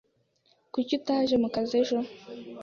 Kuki utaje mu kazi ejo?